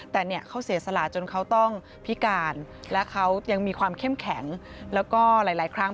แต่เนี่ยเขาเสียสละจนเขาต้องพิการและเขายังมีความเข้มแข็งแล้วก็หลายครั้ง